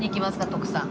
徳さん。